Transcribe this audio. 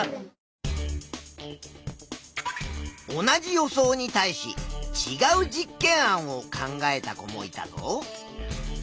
同じ予想に対しちがう実験案を考えた子もいたぞ。